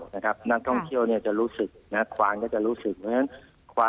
นักท่องเที่ยวจะรู้สึกนักขวานก็จะรู้สึก